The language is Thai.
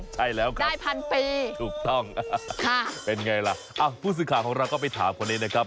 ใช่แล้วครับได้พันปีถูกต้องเป็นไงล่ะผู้สื่อข่าวของเราก็ไปถามคนนี้นะครับ